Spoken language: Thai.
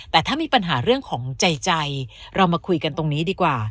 แต่ถ้ามีปัญหาเรื่องของใจเรามาคุยกันตรงนี้ดีกว่า